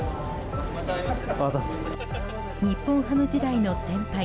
日本ハム時代の先輩